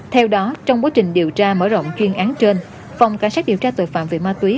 theo đó trong quá trình điều tra mở rộng chuyên án trên phòng cảnh sát điều tra tội phạm về ma túy